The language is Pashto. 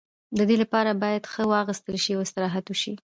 د دې لپاره باید ښه واغوستل شي او استراحت وشي.